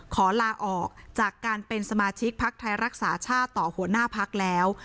ขอลาออกจากการเป็นสมาชิกพักไทยรักษาชาติต่อหัวหน้าพักแล้ว